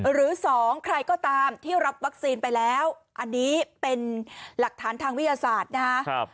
หรือ๒ใครก็ตามที่รับวัคซีนไปแล้วอันนี้เป็นหลักฐานทางวิทยาศาสตร์นะครับ